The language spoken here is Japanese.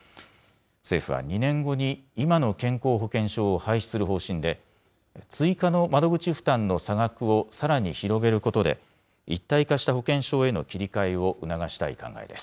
政府は２年後に今の健康保険証を廃止する方針で、追加の窓口負担の差額をさらに広げることで、一体化した保険証への切り替えを促したい考えです。